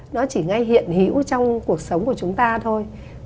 nó chỉ ngay hiện hữu trong cuộc sống của chúng ta thôi